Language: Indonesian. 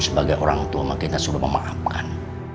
sebagai orang tua kita sudah memaafkan